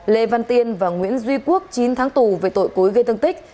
lê văn tiên và nguyễn duy quốc chín tháng tù về tội cố ý gây thương tích